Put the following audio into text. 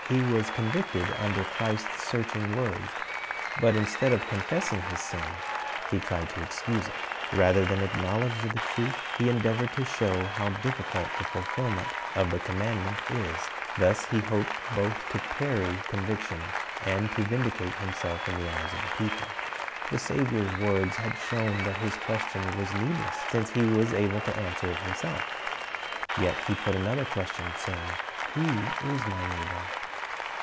He was convicted under Christ's searching words, but instead of confessing his sin, he tried to excuse it. Rather than acknowledge the truth, he endeavored to show how difficult of fulfilment the " JJ'/n> Js My .V r / ^o ///; o r r' 379 commandment is. Tluis he liopcd both to parr} con\iction and to \'indicate himself in the eyes of the people. The Saviour's words had shown that his question was needless, since he was able to answer it himself. Yet he put another question, saying, "Who is my neighbor?"